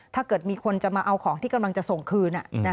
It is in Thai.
ถ้าเกิดมีคนจะมาเอาของที่กำลังจะส่งคืน